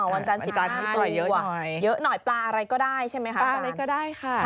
วันจันทร์๑๕ตัวเยอะหน่อยปลาอะไรก็ได้ใช่ไหมคะปลาสลิดก็ได้ค่ะ